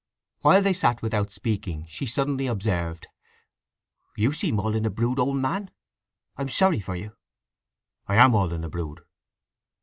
While they sat without speaking she suddenly observed: "You seem all in a brood, old man. I'm sorry for you." "I am all in a brood."